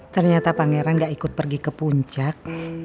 ternyata pangeran gak ikut pergi ke puncak